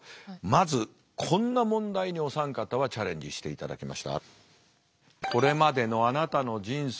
まずこんな問題にお三方はチャレンジしていただきました。